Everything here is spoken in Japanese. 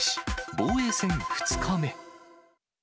防衛戦２日目。